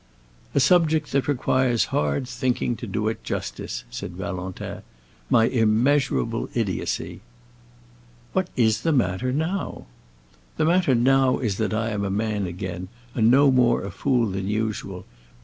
"A subject that requires hard thinking to do it justice," said Valentin. "My immeasurable idiocy." "What is the matter now?" "The matter now is that I am a man again, and no more a fool than usual.